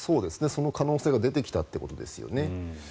その可能性が出てきたということですよね。